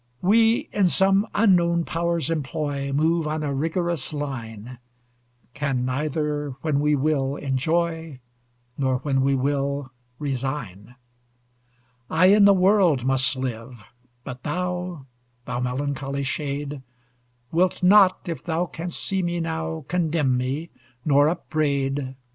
We, in some unknown Power's employ, Move on a rigorous line; Can neither, when we will, enjoy, Nor, when we will, resign. I in the world must live; but thou, Thou melancholy shade! Wilt not, if thou can'st see me now, Condemn me, nor upbraid.